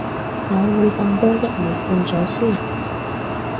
我會等多一年半載先